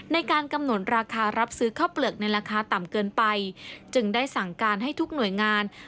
ในการกำหนดราคารับซื้อข้าวเปลือกในราคาต่ำเกินไปจึงได้สั่งการให้ทุกหน่วยงาน